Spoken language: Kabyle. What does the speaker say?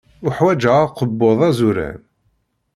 Uḥwaǧeɣ akebbuḍ azuran.